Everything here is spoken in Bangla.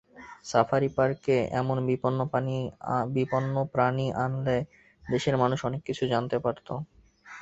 সাফারি পার্কে এমন বিপন্ন প্রাণী আনলে দেশের মানুষ অনেক কিছু জানতে পারত।